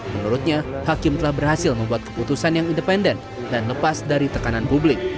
menurutnya hakim telah berhasil membuat keputusan yang independen dan lepas dari tekanan publik